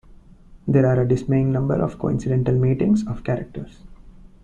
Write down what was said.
There are a dismaying number of coincidental meetings of characters.